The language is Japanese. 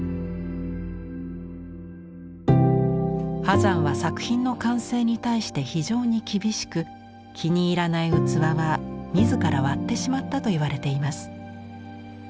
波山は作品の完成に対して非常に厳しく気に入らない器は自ら割ってしまったといわれています。